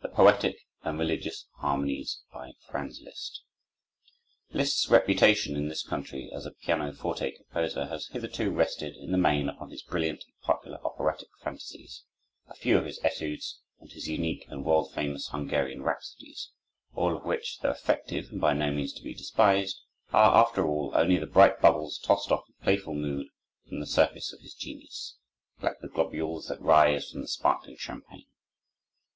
The Poetic and Religious Harmonies by Franz Liszt Liszt's reputation in this country as a pianoforte composer has hitherto rested, in the main, upon his brilliant and popular operatic fantasies, a few of his études, and his unique and world famous Hungarian rhapsodies; all of which, though effective and by no means to be despised, are, after all, only the bright bubbles tossed off in playful mood from the surface of his genius, like the globules that rise from the sparkling champagne.